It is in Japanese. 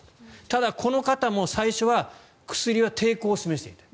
ただ、この方も最初は薬は抵抗を示していた。